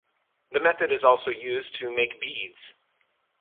The method is also used to make beads.